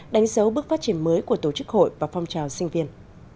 đánh dấu bước phát triển mới của tổ chức hội và phong trào sinh viên